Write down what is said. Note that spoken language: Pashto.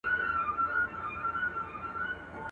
پوه نه سوم چي څنګه مي جانان راسره وژړل.